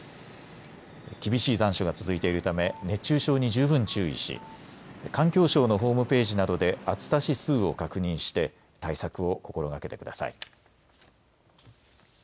厳しい残暑が続いているため熱中症に十分注意し、環境省のホームページなどで暑さ指数を確認して対策を心がけてください。